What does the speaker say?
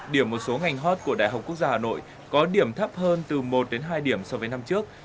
điểm một số ngành hot của đại học quốc gia hà nội có điểm thấp hơn từ một đến hai điểm so với năm trước